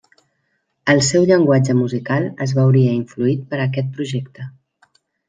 El seu llenguatge musical es veuria influït per aquest projecte.